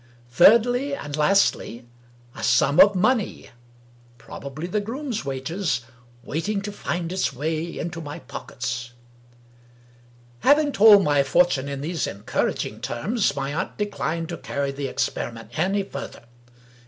thirdly and lastly, a sum of money (probably the groom's wages !) waiting to find its way into my pockets. Having told my fortune in these encouraging terms, my aunt declined to carry the experiment any further.